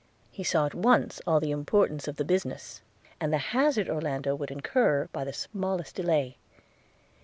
– He saw at once all the importance of the business, and the hazard Orlando would incur by the smallest delay.